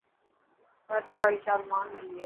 ڀرت واري شال مهانگي هي.